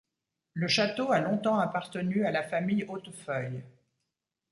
Le château a longtemps appartenu à la famille Hautefeuille.